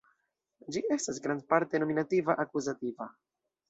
Ĝi estas grandparte nominativa-akuzativa.